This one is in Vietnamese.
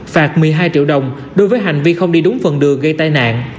phạt một mươi hai triệu đồng đối với hành vi không đi đúng phần đường gây tai nạn